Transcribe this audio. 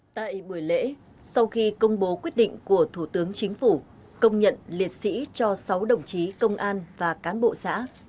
tại buổi lễ sau khi công bố quyết định của thủ tướng chính phủ công nhận liệt sĩ cho sáu đồng chí công an và cán bộ xã